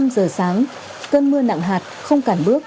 năm giờ sáng cơn mưa nặng hạt không cản bước